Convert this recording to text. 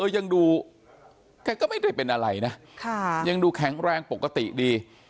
ยังดูแกก็ไม่ได้เป็นอะไรนะยังดูแข็งแรงปกติดี